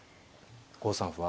５三歩は。